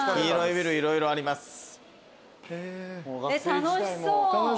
楽しそう。